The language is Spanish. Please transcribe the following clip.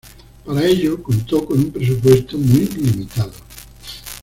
Para ello contó con un presupuesto muy limitado.